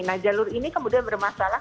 nah jalur ini kemudian bermasalah